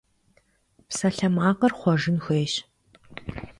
Псалъэмакъыр хъуэжын хуейщ.